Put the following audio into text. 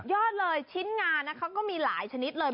สุดยอดเลยชิ้นงานก็มีหลายชนิดเลย